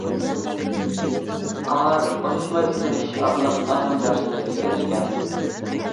قاھار بوشاشماي تىرىشىش ئارقىلىق ئاخىرىدا ياخشى نەتىجىگە ئېرىشكەن.